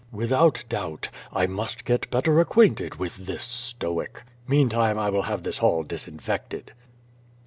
"Without doubt. I must get better acquainted with this Stoic. Meantime I will have this hall disinfected."